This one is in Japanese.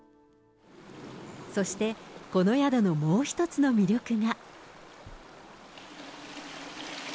そして、この宿のもう一つの魅力が。